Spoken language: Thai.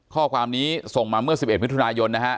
ข้อความนี้ส่งมาเมื่อสิบเอ็ดมิตรุนายนนะฮะ